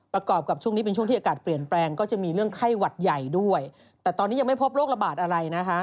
กับช่วงนี้เป็นช่วงที่อากาศเปลี่ยนแปลงก็จะมีเรื่องไข้หวัดใหญ่ด้วยแต่ตอนนี้ยังไม่พบโรคระบาดอะไรนะคะ